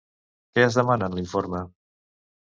Què es demana en l'informe?